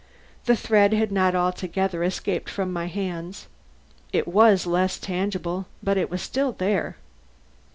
The thread had not altogether escaped from my hands. It was less tangible, but it was still there.